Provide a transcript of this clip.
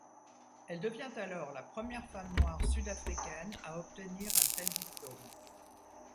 Elle devient alors la première femme noire sud-africaine à obtenir un tel diplôme.